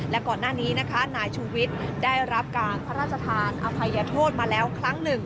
และก่อนหน้านี้นะคะนายชูวิทย์ได้รับการพระราชทานอภัยโทษมาแล้วครั้งหนึ่ง